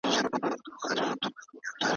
څېړونکي پدیدې په منظم ډول تجزیه کوي.